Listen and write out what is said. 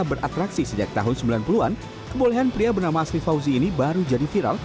beratraksi sejak tahun sembilan puluh an kebolehan pria bernama asli fauzi ini baru jadi viral